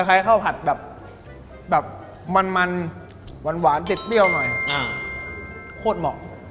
คล้ายข้าวผัดแบบมันมันหวานเด็ดเปรี้ยวหน่อยโคตรเหมาะ